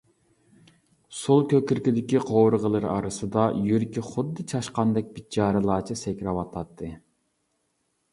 سول كۆكرىكىدىكى قوۋۇرغىلىرى ئارىسىدا يۈرىكى خۇددى چاشقاندەك بىچارىلەرچە سەكرەۋاتاتتى.